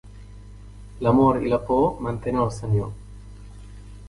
L'amor i la por mantenen el senyor.